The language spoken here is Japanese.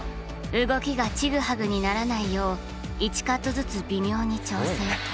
動きがチグハグにならないよう１カットずつ微妙に調整。